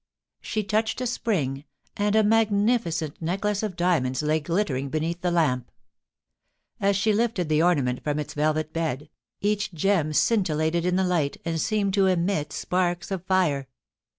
She touched a spring, and a magnificent necklace of diamonds lay glittering beneath the lamp. As she lifted the ornament from its velvet bed, each gem scin tillated in the light, and seemed to emit sparks of fire.